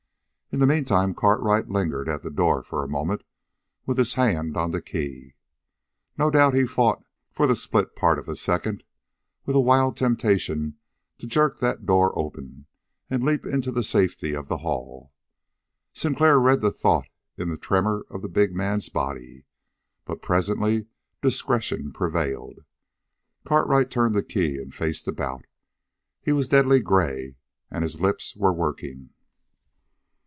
In the meantime Cartwright lingered at the door for a moment with his hand on the key. No doubt he fought, for the split part of a second, with a wild temptation to jerk that door open and leap into the safety of the hall. Sinclair read that thought in the tremor of the big man's body. But presently discretion prevailed. Cartwright turned the key and faced about. He was a deadly gray, and his lips were working.